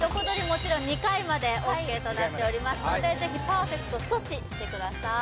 もちろん２回までＯＫとなっておりますのでぜひパーフェクト阻止してください